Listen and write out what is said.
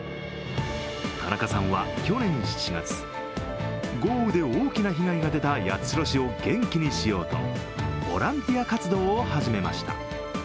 田中さんは去年７月、豪雨で大きな被害が出た八代市を元気にしようとボランティア活動を始めました。